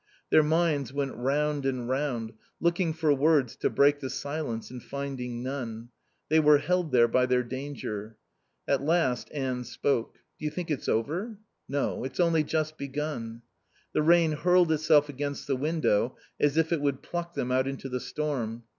Their minds went round and round, looking for words to break the silence and finding none. They were held there by their danger. At last Anne spoke. "Do you think it's over?" "No. It's only just begun." The rain hurled itself against the window, as if it would pluck them out into the storm.